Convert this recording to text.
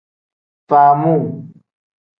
Faamuu.